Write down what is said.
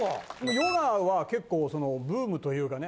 ヨガは結構そのブームというかね